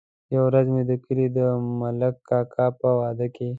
يوه ورځ مې د کلي د ملک کاکا په واده کې.